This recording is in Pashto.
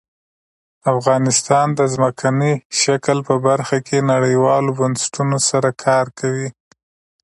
افغانستان د ځمکنی شکل په برخه کې نړیوالو بنسټونو سره کار کوي.